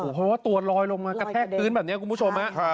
เพราะว่าตัวลอยลงมากระแทกพื้นแบบนี้คุณผู้ชม